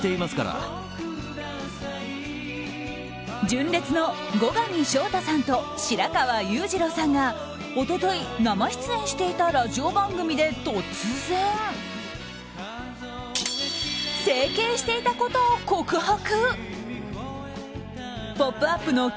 純烈の後上翔太さんと白川裕二郎さんが一昨日、生出演していたラジオ番組で突然。整形していたことを告白。